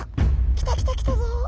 来た来た来たぞ！